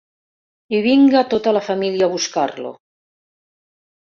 I vinga tota la família a buscar-lo.